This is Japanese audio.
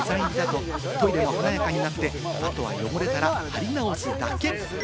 トイレが華やかになって、あとは汚れたら貼り直すだけ。